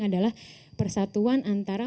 adalah persatuan antara